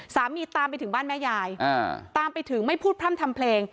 ตามไปถึงบ้านแม่ยายตามไปถึงไม่พูดพร่ำทำเพลง